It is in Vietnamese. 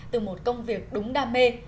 từ một công việc đúng đam mê